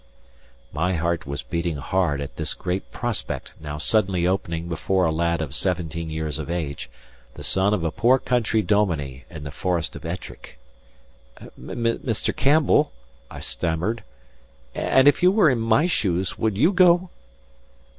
My heart was beating hard at this great prospect now suddenly opening before a lad of seventeen years of age, the son of a poor country dominie in the Forest of Ettrick. "Mr. Campbell," I stammered, "and if you were in my shoes, would you go?"